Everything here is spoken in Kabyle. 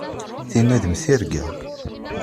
Tinna d mm tirga.